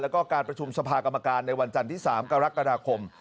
แล้วก็การประชุมสภากรรมการในวันจันทร์ที่๓กรกฎาคม